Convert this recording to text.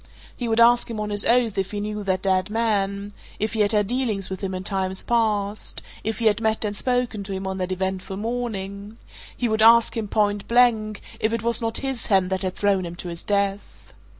He would ask him on his oath if he knew that dead man if he had had dealings with him in times past if he had met and spoken to him on that eventful morning he would ask him, point blank, if it was not his hand that had thrown him to his death.